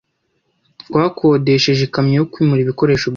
Twakodesheje ikamyo yo kwimura ibikoresho byacu.